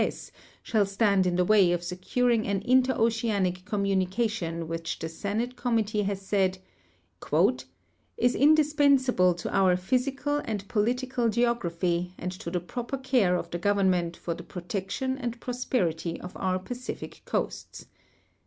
ss, shall stand in the AA'ay of securing an inter oceanic communication Avhich the Senate committee has said " is indispensable to our physical and political geography and to the ])ro{>er care* of the Government for the protection and prosperity of our Pacific coasts."